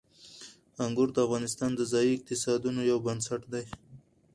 انګور د افغانستان د ځایي اقتصادونو یو بنسټ دی.